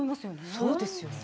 そうですよね。